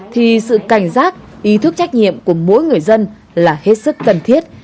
thì sự cảnh giác ý thức trách nhiệm của mỗi người dân là hết sức cần thiết